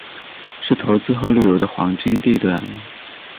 是投资和旅游的黄金地段。